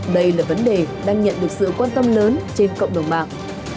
đây là vấn đề đang nhận được sự quan tâm lớn trên cộng đồng mạng